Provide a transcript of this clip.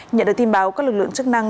nhận được tin báo các lực lượng chức năng